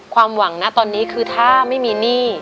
ความหวังนะตอนนี้คือถ้าไม่มีหนี้